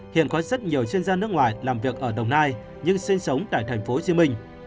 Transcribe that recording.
hiện có rất nhiều chuyên gia nước ngoài làm việc ở đồng nai nhưng sinh sống tại tp hcm